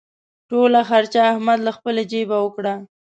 ټوله خرچه احمد له خپلې جېبه وکړه.